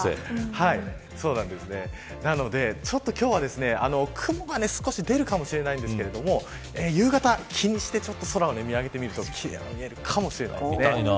なので、今日は雲が少し出るかもしれませんが夕方気にして、空を見上げると奇麗に見えるかもしれません。